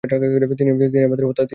তিনি তাদের হত্যার নির্দেশও দেন।